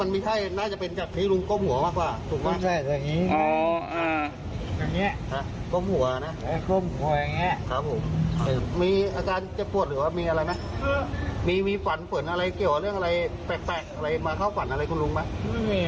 มีฝันเผินอะไรเกี่ยวอะไรแปลกอะไรมาเข้าฝันอะไรคุณลุงไหม